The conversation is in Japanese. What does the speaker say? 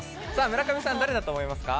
村上さん、誰だと思いますか？